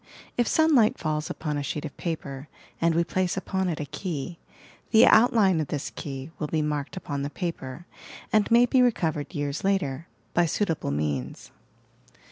If sunlight falls upon a sheet of paper and we place upon it a key, the outline of this key will be marked upon the paper and may be recovered years later by suitable means.